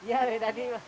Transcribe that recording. iya dari tadi